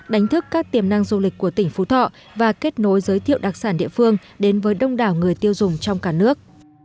đánh thức các tiềm năng du lịch của tỉnh phú thọ và kết nối giới thiệu đặc sản địa phương đến với đông đảo người tiêu dùng trong cả nước